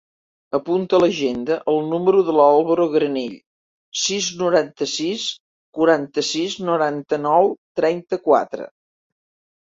Apunta a l'agenda el número del Álvaro Granell: sis, noranta-sis, quaranta-sis, noranta-nou, trenta-quatre.